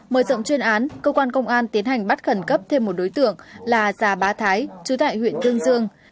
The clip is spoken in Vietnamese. mở rộng chuyên án cơ quan công an tiến hành bắt khẩn cấp thêm một đối tượng là già bá thái chú tại huyện tương dương